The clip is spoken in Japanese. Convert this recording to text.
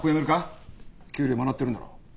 給料もらってるんだろ。